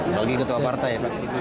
bagi ketua partai